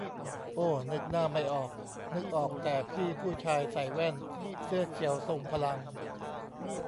โอ้ นึกหน้าไม่ออก นึกออกแต่พี่ผู้ชายใส่แว่นเสื้อเขียวทรงพลัง